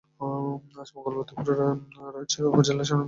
আজ মঙ্গলবার দুপুরে রাজৈর উপজেলার শানেরপাড় শ্রীনদী সড়কে এ দুর্ঘটনা ঘটে।